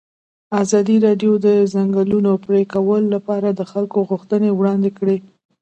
ازادي راډیو د د ځنګلونو پرېکول لپاره د خلکو غوښتنې وړاندې کړي.